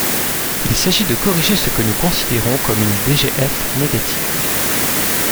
Il s’agit de corriger ce que nous considérons comme une « DGF négative ».